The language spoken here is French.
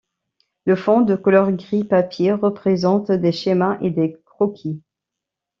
Le fond de couleur gris-papier représente des schémas et des croquis.